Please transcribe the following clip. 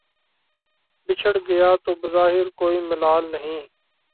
بچھڑ گیا تو بظاہر کوئی ملال نہیں